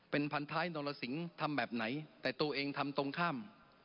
เป็นพันท้ายนรสิงห์ทำแบบไหนแต่ตัวเองทำตรงข้าม